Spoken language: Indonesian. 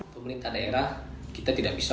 pemerintah daerah kita tidak bisa